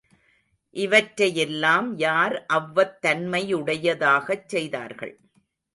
இவற்றையெல்லாம் யார் அவ்வத்தன்மை உடையதாகச் செய்தார்கள்.